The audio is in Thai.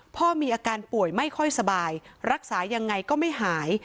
พ่อมีอาการป่วยไม่ค่อยสบายรักษายังไงก็ไม่หาย